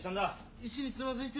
・石につまずいて。